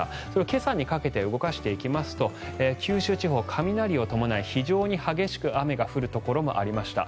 今朝にかけて動かしていきますと九州地方、雷を伴い非常に激しく雨が降るところもありました。